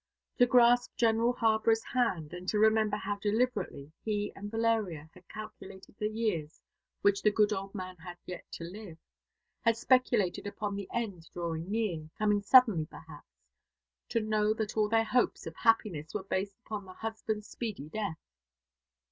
To grasp General Harborough's hand, and to remember how deliberately he and Valeria had calculated the years which the good old man had yet to live, had speculated upon the end drawing near, coming suddenly perhaps; to know that all their hopes of happiness were based upon the husband's speedy death.